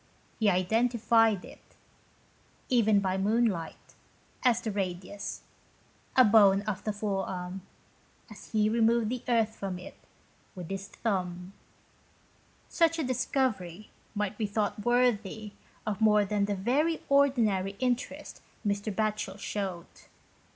He identified it, even by moonlight, as the radius, a bone of the forearm, as he removed the earth from it, with his thumb. Such a discovery might be thought worthy 31 GHOST TALES. of more than the very ordinary interest Mr. Batohel showed.